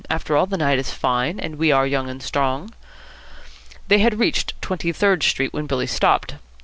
After all, the night is fine, and we are young and strong." They had reached Twenty Third Street when Billy stopped.